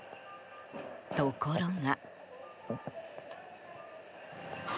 ところが。